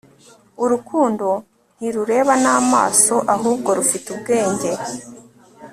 urukundo ntirureba n'amaso ahubwo rufite ubwenge